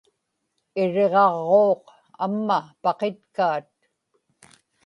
iriġaġġuuq amma paqitkaat